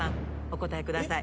お答えください。